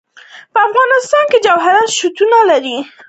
په افغانستان کې جواهرات شتون لري.